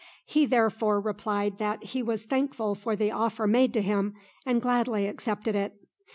He therefore replied that he was thankful for the offer made to him, and gladly accepted it.